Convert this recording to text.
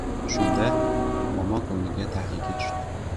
Shunda, momo ko‘ngliga tahlika tushdi.